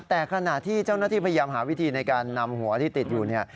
แต่ขณะที่เจ้าหน้าที่พยายามหาวิธีในการนำหัวที่ติดอยู่เนี่ย